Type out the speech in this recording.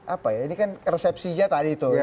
apa ya ini kan resepsinya tadi tuh